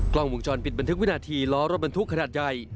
กล้องวงจรปิดบันทึกวินาทีล้อรถบรรทุกขนาดใหญ่